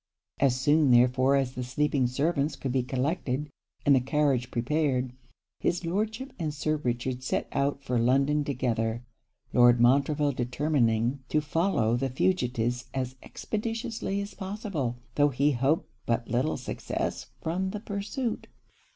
As soon therefore as the sleeping servants could be collected, and the carriage prepared, his Lordship and Sir Richard set out for London together. Lord Montreville determining to follow the fugitives as expeditiously as possible, though he hoped but little success from the pursuit.